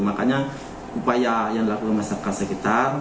makanya upaya yang dilakukan masyarakat sekitar